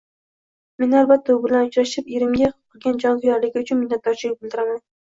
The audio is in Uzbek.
Men albatta u bilan uchrashib, erimga qilgan jonkuyarligi uchun minnatdorchilik bildiraman